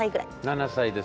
７歳ですね。